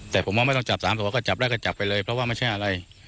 แต่ผมว่าไม่ต้องจับ๓ตัวก็จับได้ก็จับไปเลยเพราะว่าไม่ใช่อะไร